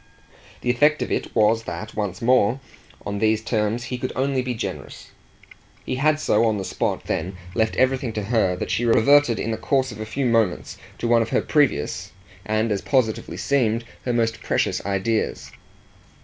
The effect of it was that, once more, on these terms, he could only be generous. He had so on the spot then left everything to her that she reverted in the course of a few moments to one of her previous and as positively seemed her most precious ideas.